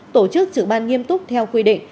tổ chức trực ban nghiêm túc theo quy định